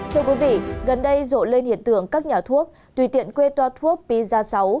thưa quý vị gần đây rộ lên hiện tượng các nhà thuốc tùy tiện quê toa thuốc piza sáu